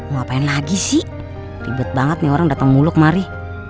mau ngapain lagi sih ribet banget nih orang datang muluk mari